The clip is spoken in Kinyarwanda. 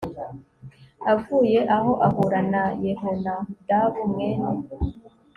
Avuye aho ahura na Yehonadabu mwene